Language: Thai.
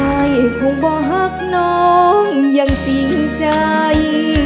อายคงบอกน้องยังจริงใจ